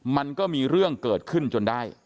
มันก็มีเรื่องเกิดขึ้นจนได้